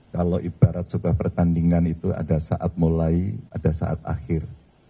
kalau ibarat sebuah pertandingan itu ada saat mulai ada saat akhir